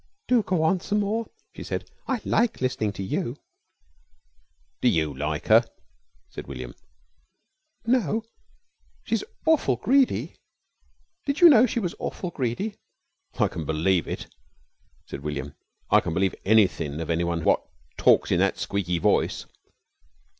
"Go on some more," she said. "I like listening to you." "Do you like her?" said William. "No. She's awful greedy. Did you know she was awful greedy?" "I can b'lieve it," said William. "I can b'lieve anything of anyone wot talks in that squeaky voice."